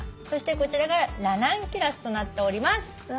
そしてこちらがラナンキュラスとなっております。